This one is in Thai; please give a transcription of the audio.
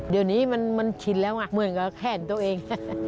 เดี๋ยวนี้มันชินแล้วไงเหมือนกับแขนตัวเอง